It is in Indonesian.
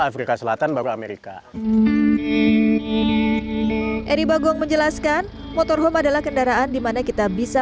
afrika selatan baru amerika eri bagong menjelaskan motorhome adalah kendaraan dimana kita bisa